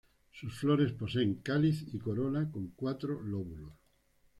Sus flores poseen cáliz y corola con cuatro lóbulos.